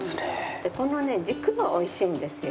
でこのね軸が美味しいんですよ。